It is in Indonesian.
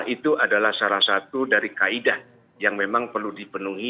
itu adalah salah satu dari kaedah yang memang perlu dipenuhi